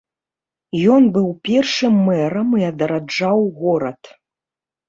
Ён быў першым мэрам і адраджаў горад.